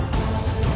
dia sudah mau muncul